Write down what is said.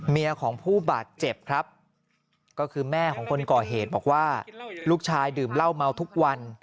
ของผู้บาดเจ็บครับก็คือแม่ของคนก่อเหตุบอกว่าลูกชายดื่มเหล้าเมาทุกวัน